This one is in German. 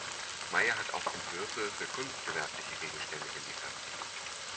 Mayer hat auch Entwürfe für kunstgewerbliche Gegenstände geliefert.